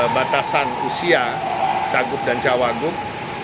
batasan usia cagup dan cawagup